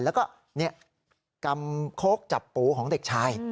แล้วก็กำโค้กจับปูของเด็กชาย